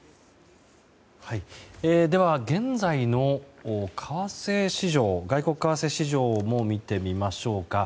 では、現在の外国為替市場を見てみましょうか。